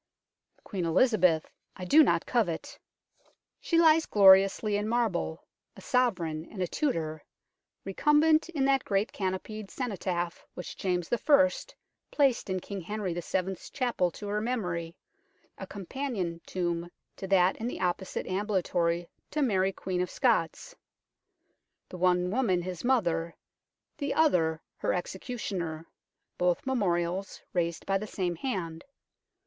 Queen Elizabeth I do not covet. She lies 197 gloriously in marble, a Sovereign and a Tudor, recumbent in that great canopied cenotaph which James I. placed in King Henry VI I. 's Chapel to her memory, a companion tomb to that in the opposite ambulatory to Mary Queen of Scots : the one woman his mother, the other her executioner, both memorials raised by the same hand.